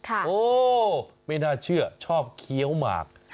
โอ้ไม่น่าเชื่อชอบเคี้ยวหมาก